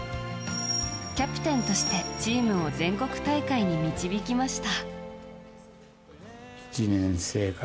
キャプテンとしてチームを全国大会に導きました。